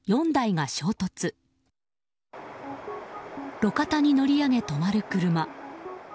路肩に乗り上げ止まる車。